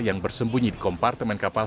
yang bersembunyi di kompartemen kapal